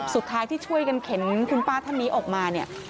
สุดท้ายที่ช่วยกันเข็นคุณป้าท่านนี้ออกมาเนี่ย